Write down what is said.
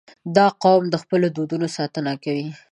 • دا قوم د خپلو دودونو ساتنه کوي.